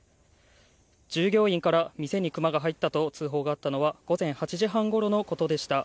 従業員から、店にクマが入ったと通報があったのは午前８時半ごろのことでした。